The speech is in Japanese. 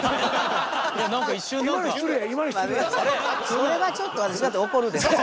それはちょっと私だって怒るで。